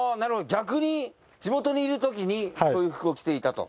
逆に地元にいるときにそういう服を着ていたと。